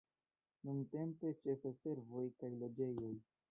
Nuntempe ĉefe servoj kaj loĝejoj.